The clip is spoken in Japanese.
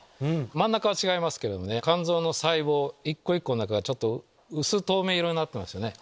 真ん中は違いますけど肝臓の細胞一個一個の中が薄透明色になってますよね。